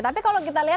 tapi kalau kita lihat